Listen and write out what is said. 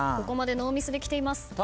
ここまでノーミスできています。